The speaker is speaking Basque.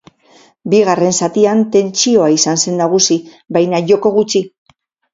Bigarren zatian tentsioa izan zen nagusi, baina joko gutxi.